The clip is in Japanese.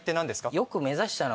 よく目指したな！